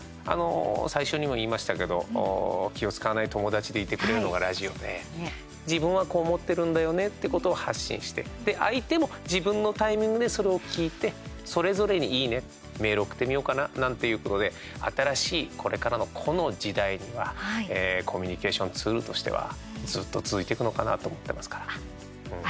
最初にも言いましたけど気を遣わない友達でいてくれるのがラジオで自分はこう思ってるんだよねってことを発信して相手も自分のタイミングでそれを聞いてそれぞれにいいねメール送ってみようかななんていうことで新しいこれからの個の時代にはコミュニケーションツールとしてはずっと続いていくのかなと思ってますから。